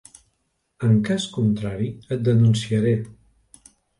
En cas contrari, et denunciaré.